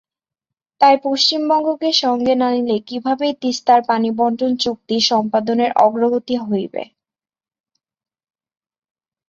তাই পশ্চিমবঙ্গকে সঙ্গে না নিলে কীভাবে তিস্তার পানিবণ্টন চুক্তি সম্পাদনের অগ্রগতি হবে?